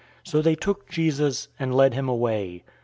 So they took Jesus and led him away.